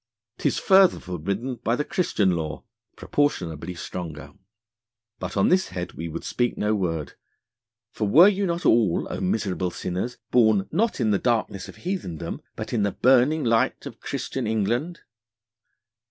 'Tis further forbidden by the Christian Law (proportionably stronger). But on this head we would speak no word, for were not you all, O miserable Sinners, born not in the Darkness of Heathendom, but in the burning Light of Christian England?